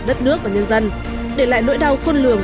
đất nước và nhân dân để lại nỗi đau khôn lường